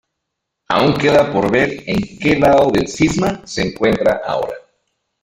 Aún queda por ver en que lado del cisma se encuentra ahora.